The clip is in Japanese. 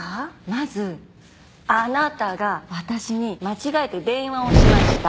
まずあなたが私に間違えて電話をしました。